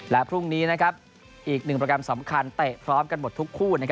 และพรุ่งนี้อีกหนึ่งโปรแกรมสำคัญเตะพร้อมกันหมดทุกคู่